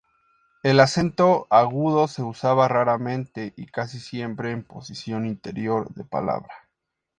El acento agudo se usaba raramente y casi siempre en posición interior de palabra.